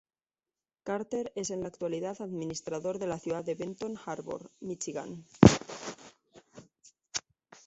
Carter es en la actualidad administrador de la ciudad de Benton Harbor, Míchigan.